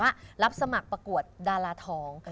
รับสมัครประกวดดาราทอง